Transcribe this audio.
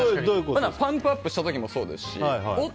パンプアップした時もそうですしおっ！